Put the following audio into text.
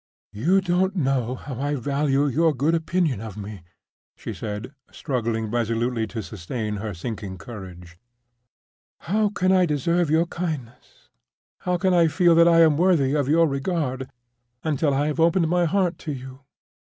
"You don't know how I value your good opinion of me," she said, struggling resolutely to sustain her sinking courage. "How can I deserve your kindness, how can I feel that I am worthy of your regard, until I have opened my heart to you?